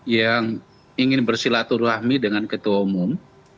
yang ingin bersilaturahmi dengan ketua umum